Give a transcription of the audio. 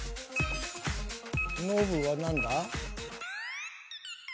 ノブは何だ？